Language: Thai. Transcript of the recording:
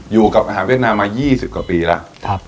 อยู่กับอาหารเวียดนามมา๒๐กว่าปีแล้ว